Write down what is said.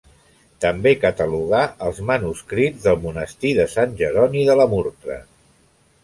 També catalogà els manuscrits del monestir de Sant Jeroni de la Murtra.